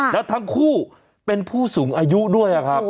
แล้วทั้งคู่เป็นผู้สูงอายุด้วยครับ